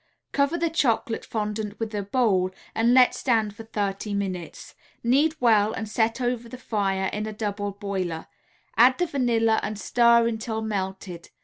Cover the chocolate fondant with a bowl and let stand for thirty minutes; knead well and set over the fire in a double boiler; add the vanilla and stir until melted.